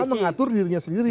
ma mengatur dirinya sendiri